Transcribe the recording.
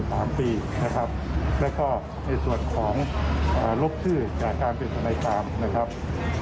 แล้วก็ในส่วนของลบชื่อจากการเป็นธนายความ